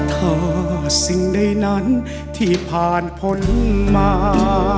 ถ้าสิ่งใดนั้นที่ผ่านพ้นมา